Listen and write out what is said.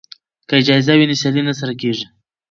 که جایزه وي نو سیالي نه سړه کیږي.